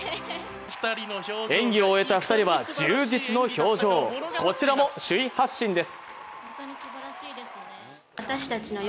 演技を終えた２人は充実の表情、こちらも首位発進です。